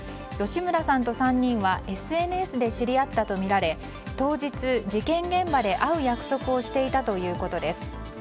吉村さんと３人はＳＮＳで知り合ったとみられ当日、事件現場で会う約束をしていたということです。